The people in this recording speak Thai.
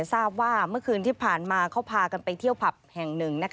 ทราบว่าเมื่อคืนที่ผ่านมาเขาพากันไปเที่ยวผับแห่งหนึ่ง